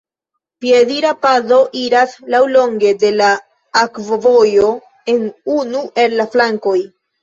Piedira pado iras laŭlonge de la akvovojo en unu el la flankoj.